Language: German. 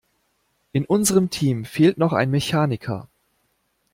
In unserem Team fehlt noch ein Mechaniker.